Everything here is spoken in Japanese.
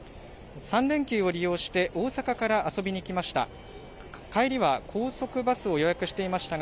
３連休を利用して、大阪から遊びに来ました。